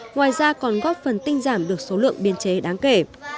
ngoài ra còn góp phần tinh giảm được số lượng biên chế đáng kể